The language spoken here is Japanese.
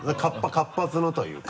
活発なというか。